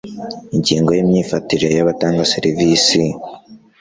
ingingo ya imyifatire y abatanga serivisi